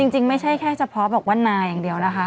จริงไม่ใช่แค่เฉพาะบอกว่านาอย่างเดียวนะคะ